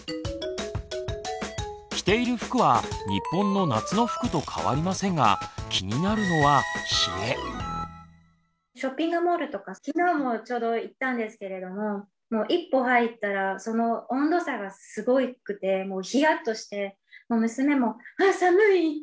着ている服は日本の夏の服と変わりませんが気になるのはショッピングモールとか昨日もちょうど行ったんですけれども一歩入ったらその温度差がすごくてヒヤッとしてもう娘も「あ寒い！」ひと言。